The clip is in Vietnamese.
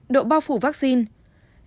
độ bao phủ vaccine